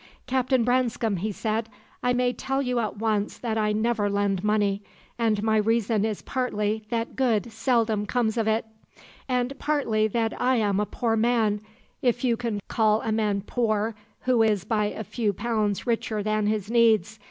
"'Captain Branscome,' he said, 'I may tell you at once that I never lend money; and my reason is partly that good seldom comes of it, and partly that I am a poor man if you can call a man poor who is by a few pounds richer than his needs.